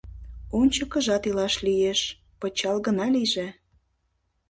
Ончыкыжат илаш лиеш, пычал гына лийже!..